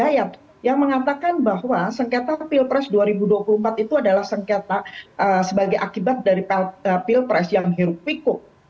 yang mengatakan bahwa penggunaan penjabat penjabat itu adalah penggunaan penjabat penjabat yang berpikir pikir